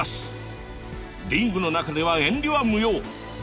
リングの中では遠慮は無用。